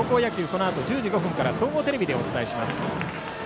このあと１０時５分から総合テレビでお伝えします。